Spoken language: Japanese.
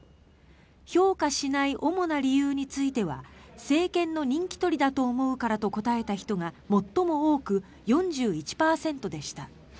評価しない主な理由については政権の人気取りだと思うからと答えた人が最も多く４１％でした。